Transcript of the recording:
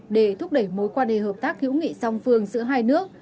để thúc đẩy mối quan hệ hợp tác hữu nghị song phương giữa hai nước